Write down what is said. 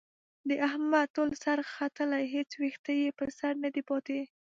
د احمد ټول سر ختلی، هېڅ وېښته یې په سر ندی پاتې.